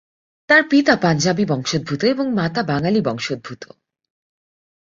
তার পিতা পাঞ্জাবি বংশোদ্ভূত এবং মাতা বাঙালি বংশোদ্ভূত।